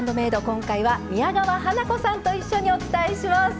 今回は宮川花子さんと一緒にお伝えします。